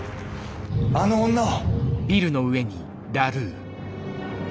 あの女を！